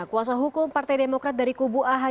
kuasa hukum partai demokrat dari kubu ahy